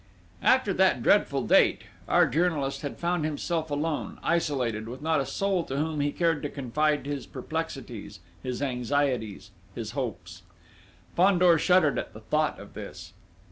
After that dreadful date, our journalist had found himself alone, isolated, with not a soul to whom he cared to confide his perplexities, his anxieties, his hopes! Fandor shuddered at the thought of this.